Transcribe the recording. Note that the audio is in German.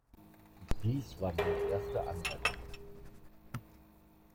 Dies war meine erste Anmerkung.